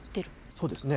そうですね。